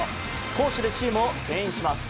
攻守でチームをけん引します。